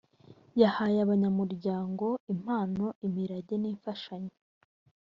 yahaye abanyamuryango impano imirage nimfashanyo